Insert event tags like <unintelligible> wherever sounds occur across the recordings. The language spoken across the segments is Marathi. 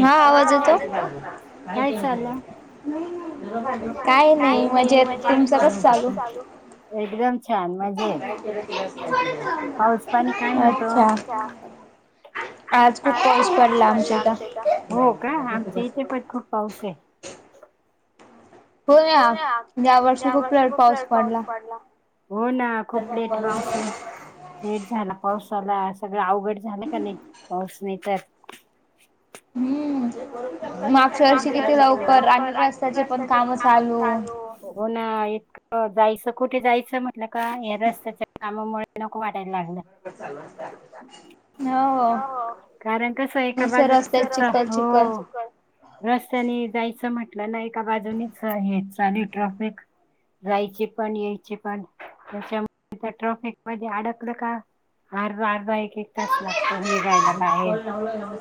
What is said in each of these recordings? हा आवाज येतो. काय नाही म्हणजे तुमचं कस चालू एकदम छान मजेत पाऊस पाणी काय म्हणतोछान आज खूप पाऊस पडला आमच इथ हो का आमच्या इथे पण खूप पाऊस से हो या ह्या वर्षी खूप पाऊस पडला. हो ना खूप लेट पाऊस लेट झाला पाऊस साला सगळं अवघड झालं का नाही पाऊस नाही तर हम्. मार्स वर्षी किती लवकर आणि रस्त्याचे पण काम चालू हो ना. जायचं कुठे जायचं म्हटलं का ह रस्त्याच्या कामामुळे नको वाट बरोबर चाल मस्त कारण कस एका बाजूला हो. रस्त्याने जायचं म्हटलं ना एका बाजूनीच हे चालू ट्रॅफिक जायचे पण यायचे पण त्याच्यामुळे ट्रॅफिक मध्ये अडकलं का? हर अर्धा अर्धा एक एक तास लागतो निघायला. ब लावलं.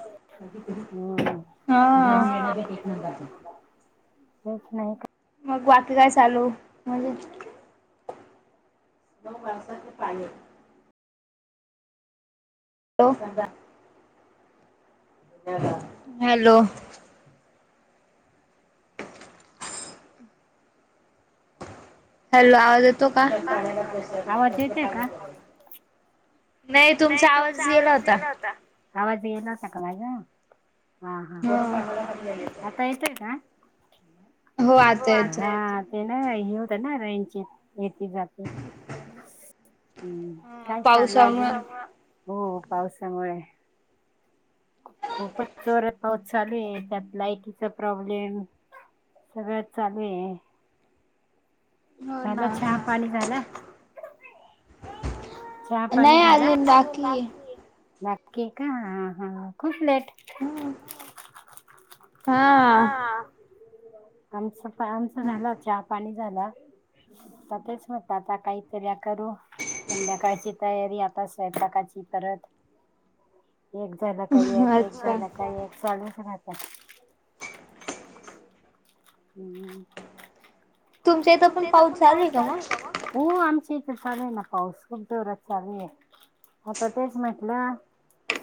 हम ह. हाठीक न हेच नाही का? मग बाकी काय चालू म्हणजे नऊ वर्साचे पाणी हो. हॅलो. हॅलो आवाज येतो का? नाही तुमचा आवाज च गेला होता. <unintelligible> हा हा आता येतय काय? हो आता येतो. नाय, हे होतं ना रेंजची येती जाती. हम्म काय चालंय? <unintelligible> हो पावसामुळे खूपच जोरात पाऊस चालू आहे, त्यात लाईटीचा प्रॉब्लेम सगळ्यात चालू हे. झालं चहा पाणी झालं. चहा पाणी झालं? <unintelligible> हम्म हा आमचं, आमचं झालं चहा पाणी. झालं, तेच म्हणलं आता काहीतरी करू् <unintelligible> तयारी आता स्वयंपाकाची परत एक झालं का एक, एक झालं का एक चालूच राहतं. <unintelligible> तुमच्या इथे पण पाऊस चालू आहे का हो? हो आमच्या इथं चालू आहे ना पाऊस, खूप जोरात चालू आहे. आता तेच म्हटलं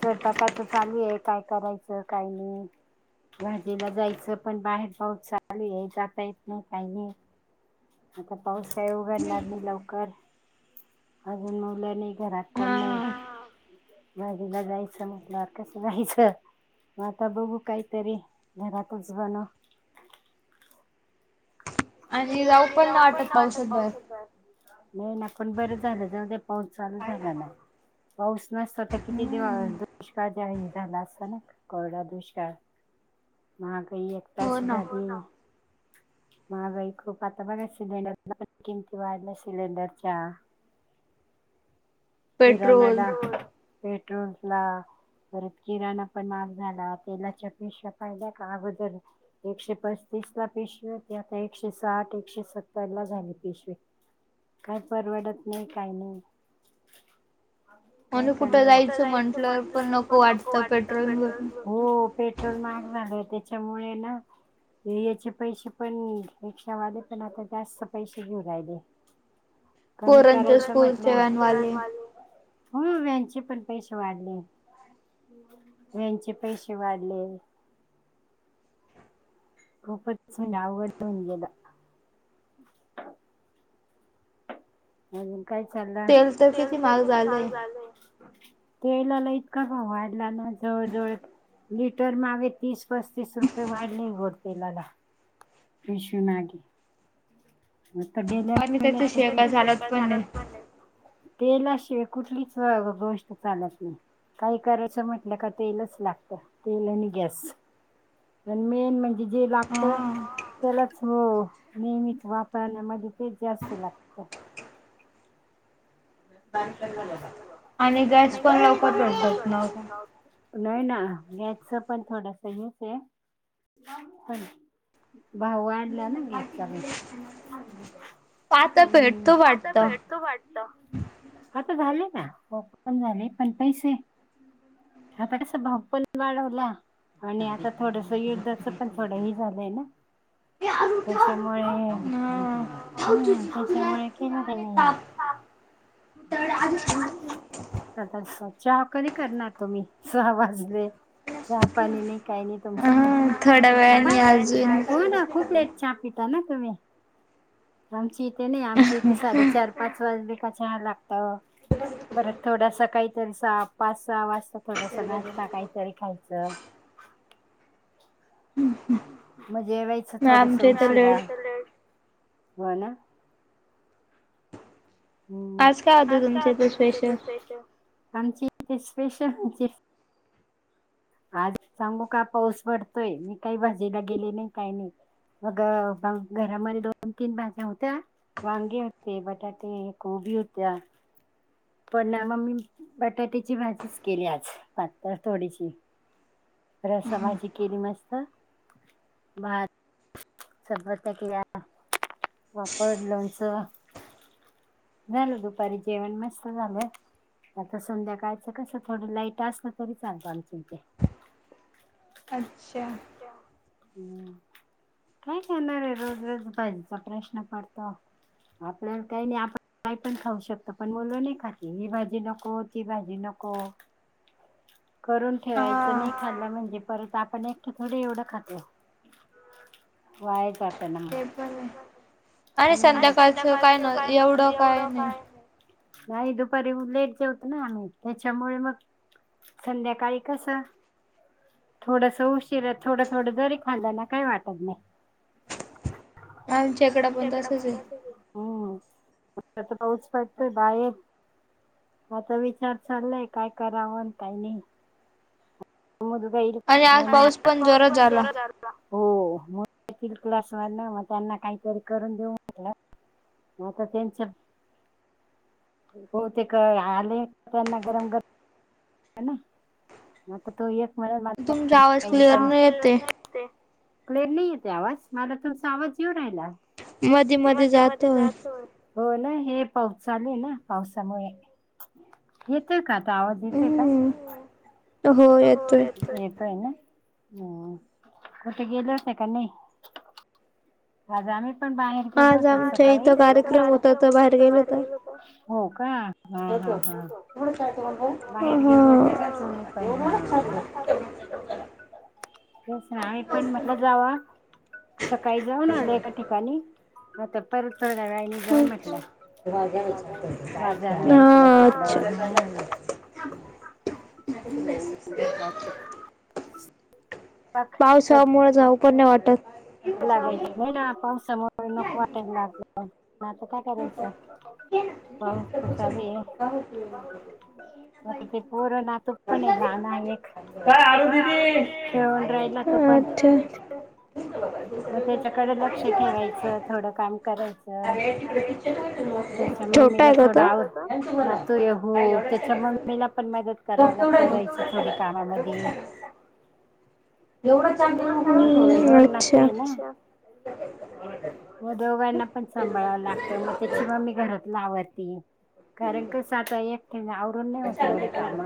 स्वयंपाकाच चालू आहे, काय करायचं काय नाही. भाजीला जायचं पण बाहेर पाऊस चालू आहे. जाता येत नाही काही नाही. आता पाऊस काही उघडणार नाही लवकर. अजून मुलं नाही घरात, कोण नाही. हां. भाजीला जायचं म्हटल्यावर कसं जायचं? आता बघू काहीतरी घरातच बनव. आणी जाऊ पण ना वाटत पावसात बाहेर. नाही ना पण बरं झालं. जाऊदे पाऊस चालू झाला ना. पाऊस नसता तर तर किती दिवाळ दुष्काळ झाला असता ना कोरडा दुष्काळ. महागाई एक तर अशी झाली. हो ना महागाई खूप आता बघा सिलेंडर किमती वाढल्या सिलेंडरच्या किराणाला, पेट्रोलला परत किराणा पण महाग झाला. तेलाच्या पिशव्या पाहिल्या का अगोदर एकशे पस्ती <unintelligible> ला पिशवी होती आता एकशे साठ, एकशे सत्तर ला झाली पिशवी. काय परवडत नाही काही नाही. काय करणार. आता कुठं जायचं म्हंटलं पण नको वाटतं पेट्रोल बघून. हो पेट्रो पेट्रोल महाग झालं त्याच्यामुळे ना याचे पैसे पण रिक्षावाले पण आता जास्त पैसे घेऊ राहिले. पोरांच्या स्कूलचा <unintelligible> वॅन वाले, म्हणून यांचे पण पैसे वाढले. व्हॅनचे पैसे वाढले. खूपच मजे अवघड होऊन गेलं. अजून काय चाललं, तेल तर किती महाग झालय. तेलाला इतका का वाढला ना जवळ जवळ लिटर माग तीस पस्तीस रुपये वाढली हो तेलाला. विश्व नागी. <unintelligible> तेलाशिवाय कुठलीच गोष्ट चालत नाय. काही करायचं म्हटलं का तेलच लागतं. तेल आणि गॅस. पण मेन म्हणजे जे लागतं <unintelligible> त्यालाच हो नेहमीच वापरण्यामध्ये ते जास्त लागतं. <unintelligible> नाही ना गॅस च पण थोडसं हेच हे <unintelligible> भाऊ आणला ना गॅसचा मी. <unintelligible> पात भेटत वाटत. झाले का टास्क पण झाले पण पैसे. आता कस भाव पण वाढवला. आणि आता थोडस युद्धाच पण थोडं हे झालंय ना. त्याच्यामुळे. हम्म त्याच्यामुळे केलं त्यानी हे. चहा कधी करणार तुम्ही सहा वाजले. चहा पाणी नाही काही नाही तुमच. ह थोड्या वेळाणी आजून, हो ना खूप लेट चहा पी ताना तुम्ही आमची इथे नाही आमचे इथे साडे चार पाच वाजले का चहा लागतो. ह परत थोडासा काहीतरी साप. पासा वाजता थोडस नाश्ता काहीतरी खायच. मगजेवायचं थोडस उशीर आहे, आमच्या इथे लेट. हो ना. आज काय होतं तुमच इथ स्पेशल? आमची ते स्पेशल आज सांगू का पाऊस पडतोय मी काही भाजीला गेले नाही काय नाही. मग घरामध्ये दोन तीन भाज्या होत्या. वांगे होते बटाटे कोबी होत्या. पण मग मी बटाट्याची भाजीच केली आज पातळ थोडीशी. रसाभजी केली मस्त भात चपात्या केल्या पापड लोणचं झालं दुपारी जेवण मस्त झालं. आता संध्याकाळचं कसं थोडं लाईट असल तरी चालतं आमचं इथे. अच्छा. हम् काय करणार आहे रोज रोज भाजीचा प्रश्न पडतो. आपल्याला काही नाही आपण काय पण खाऊ शकतो पण मुलं नाही खाती ही भाजी नको ती भाजी नको. करून ठेवायचं नाही खाल म्हणजे. परत आपण एकटे थोडी एवढं खातो, वाया जात ते पण आहे. आणि संध्याकाळच काय एवढं काय नाही. नाही दुपारी लेट जेवतो ना आम्ही त्याच्यामुळे मग, संध्याकाळी कस. थोडस उशिर थोडं थोडं जरी खाल्लं ना काही वाटत नाही. आमच्याकड पण तसच हाय. आता तर पाऊच पडतोय बाहेर. आता विचार चाललाय काय करावण अन काय नाही. मध्ये आणि आता पाऊस पण जोरातये वाढत. हो मुलं येतील क्लास मदन मग त्यांना काहीतरी करून देऊ म्हटलं. आता त्यांच. हो ते काय आले त्यांना गरम गरम ना मता तो एक. तुमचा आवाज क्लिअर नाही येते. क्लिअर नाही येते आवाज मला तुमचा आवाज येेऊन राहिला. मध्ये मध्ये जातोय. हे पाऊस चालू ना पावसामुळे येतय का आता आवाज येतेय का. हो हो येतोय. म कुठे गेलो होते का नाही. आज आम्ही पण बाहेर गेलो होतो सकाळी. आज आमच्या इथे कारक्रम होता तर बाहेर गेलो होतो. हो का हा ह हा. बाहेर गेले होते का तुमी पण हा. <unintelligible> तेच ना आम्ही पण म्हटलं जावा सकाळी जा जाऊन आलं एका ठिकाणी आता परत थोड्या वेळाने जाऊन म्हटलंय बाजारात छान काय छान अच्छा ह ह <unintelligible> पावसामुळे जाऊ पण नाही वाटत. चला बाई निघाला पावसामुळे नको वाटायला आता काय करायच होपाऊस तसाबी आहे म ते पोरो ना नाजूक पण ये लाना एक एऐ आरु दीदी ेखेळून राहिला तो पण मग त्याच्याकडे लक्ष ठेवायचं थोडं काम करायचं. त्याच्या मममीला थोडा आवड नातू येहो त्याच्या म मम्मीला पण मदत कराला करायची थोडी कामामध्ये एवढं चांलं उगळून मी ते आहे ना -, हो दोघांना पण त्, संभाळा लागते या दोघा त्याची मम्मी घरातला आवरते. कारण कस आता एक टेने आवरुन नाही होत एवढे काम.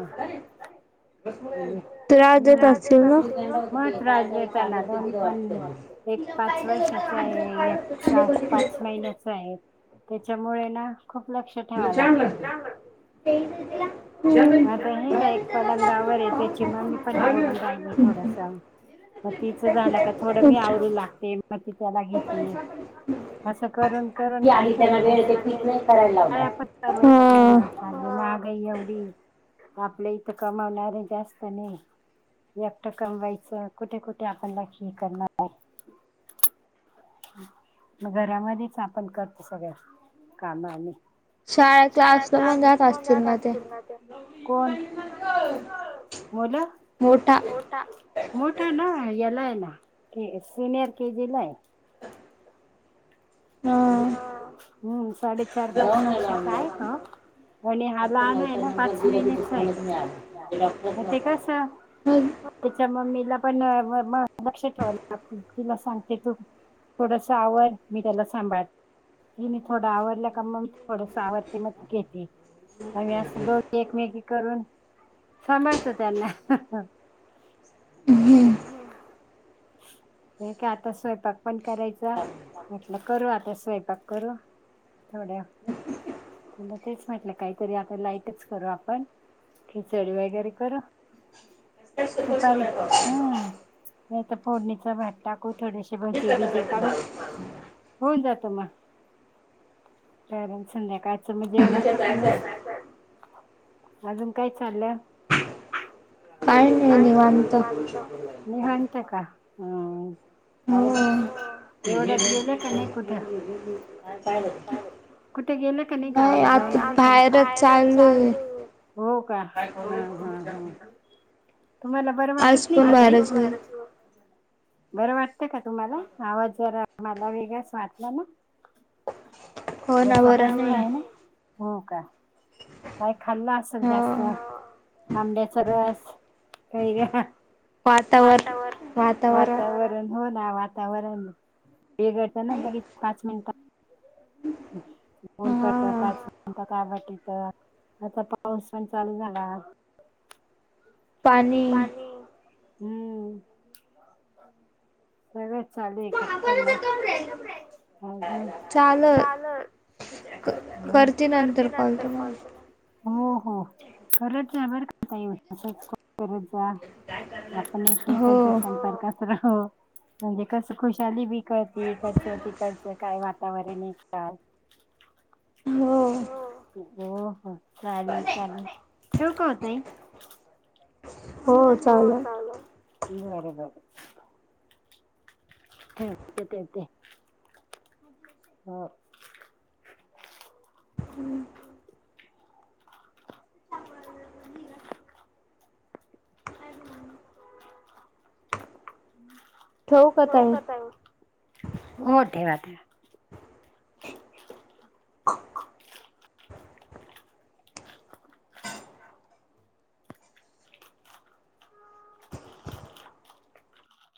हॅलो त्रास देत असतील ना मग त्रास देताना ना दोन्हीपण एक पाच वर्षाचा आहे एक सहा पाच महिन्याचा आहे त्याच्यामुळे ना खूप लक्ष ठेवाव लागतं. आता हे का एक पलंगावर आहे त्याची ममी पण आवरून राहिली थोडस. तिचं झालं का थोडा आवरून लागते मती होपण असं करून करून घेत पण <unintelligible> नाही माग एवढी आपलं इथ कमावणारे जास्त नाही एकट कमवायचं कुठे कुठे आपणला लक्ष व्यक्त े करणार आहे मग घरामध्येच आपण करतो सगळ्या कामा आणि शाळ क्लासला पण जात असतील ना ते कोण <unintelligible> मुलं मोठा मोठा ना यालाय ना ऐ सिनियर के जीला आहे हम्म हमम साडेचार पाच वर्षाचा आहे त हो नाही आणि हाला आणय ना पाच महिन्याच आहे ते कस त्याच्या मम्मीला पण अ म लक्ष ठेवालं तिला सांगते तू थोडस आवर मी त्याला सांभाळ तिनेी थोडं आवरलं का मग थोडस आवर्ते घेते आम्ही असं दोघी एकमेकी करून सांभाळतो त्यांना हम्म हे काय आता स्वयंपाक पण करायचा म्हटलं करू आता स्वयंपाक करू थोड्या तुला तेच म्हटलं काहीतरी आता लाईटच करू आपण खिचडी वैगरे करू दुपारी ह नाही तर फोडणीचा भात टाकू थोडेसे भजे बीजे काढू होऊन जात त मग कारण संध्याकाळचं मग जेवणाचं पण नत अजून काय चाल काय नाही निवत निवणत का हम एवढ्यात गेल्या का नाही कुठं हा काय माहित कुठे गेलं का नाही गावाला जाऊ का नाही बाहेर चालल हो का अच्छा तुम्हाला बरं वाटत नाही का काय बरं वाटतं का तुम्हाला आवाज जरा मला वेगळाच वाटला ना घसा बसला आहे ना हो का काय खाल्लं असेल जास्त आंबे चा रस कैऱ्या वातावर वातावरण हो वातावरण वेगळत ना बई पाच मिनिट दोन पडत पाच म्हणतात आवटथं आता पाऊस पण चालू झाला पानी हम्म सगळं चालेूय काय करनार ह हम चाल करते नंतर फॉ हो हो करत बर ये आपण एकेकांच्या संपर्क राहू हो म्हणजे कस खुशाली बी कळते इकडचं तिकडचं काय वाट तवार न काार हो हो हो चालेल चालेल ठेवू का ओ ताई हो चालेल बर बर ह तेेत य ते हो हम् ठेवू का ताई हो ठेवा ठेवा